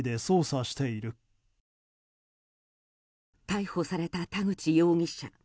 逮捕された田口容疑者。